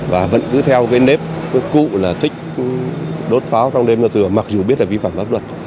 và vẫn cứ theo cái nếp cụ là thích đốt pháo trong đêm ra tửa mặc dù biết là vi phạm pháp luật